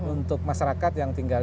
untuk masyarakat yang tinggal